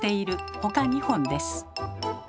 ほか２本です。